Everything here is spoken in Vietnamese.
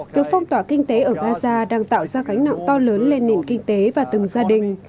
việc phong tỏa kinh tế ở gaza đang tạo ra gánh nặng to lớn lên nền kinh tế và từng gia đình